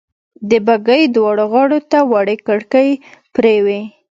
د بګۍ دواړو غاړو ته وړې کړکۍ پرې وې.